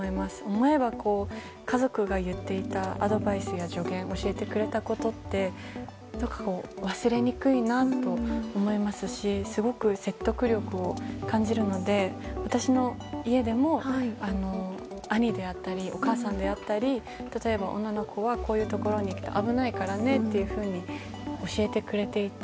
思えば、家族が言っていたアドバイスや助言教えてくれたことって忘れにくいなと思いますしすごく説得力を感じるので私の家でも兄であったりお母さんであったり例えば、女の子はこういうところは危ないからねって教えてくれていて。